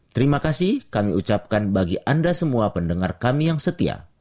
terima kasih kami ucapkan bagi anda semua pendengar kami yang setia